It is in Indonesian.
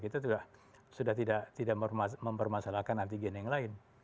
itu sudah tidak mempermasalahkan antigen yang lain